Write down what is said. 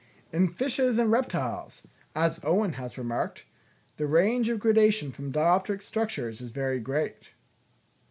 In fishes and reptiles, as Owen has remarked, "The range of gradation of dioptric structures is very great."